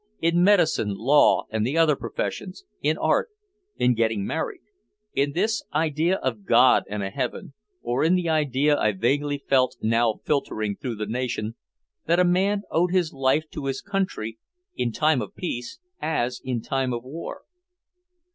In medicine, law and the other professions, in art, in getting married, in this idea of God and a heaven, or in the idea I vaguely felt now filtering through the nation, that a man owed his life to his country in time of peace as in time of war.